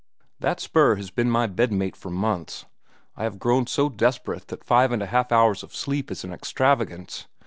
That spur has been my bed mate for months. I have grown so desperate that five and a half hours of sleep is an extravagance.